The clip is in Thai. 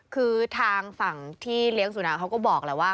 คือทางฝั่งที่เลี้ยงสุนัขเขาก็บอกแหละว่า